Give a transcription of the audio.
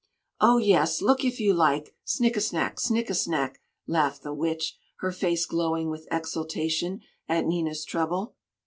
"Oh, yes, look if you like! Snikkesnak! snikkesnak!" laughed the Witch, her face glowing with exultation at Nina's trouble.